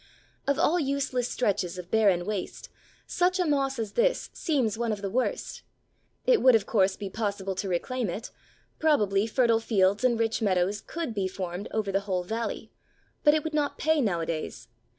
Of all useless stretches of barren waste, such a moss as this seems one of the worst. It would, of course, be possible to reclaim it; probably, fertile fields and rich meadows could be formed over the whole valley, but it would not pay nowadays.